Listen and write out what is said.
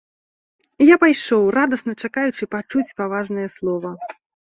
І я пайшоў, радасна чакаючы пачуць паважнае слова.